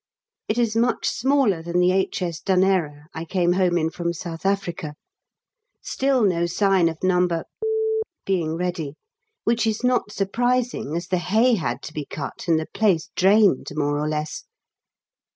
It is much smaller than the H.S. Dunera I came home in from South Africa. Still no sign of No. being ready, which is not surprising, as the hay had to be cut and the place drained more or less.